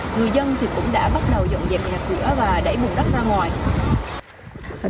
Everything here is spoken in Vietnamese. người dân thì cũng đã bắt đầu dọn dẹp nhà cửa và đẩy bùng đất ra ngoài